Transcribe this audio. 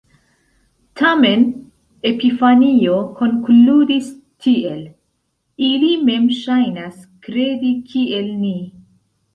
Tamen, Epifanio konkludis tiel: "“Ili mem ŝajnas kredi kiel ni”".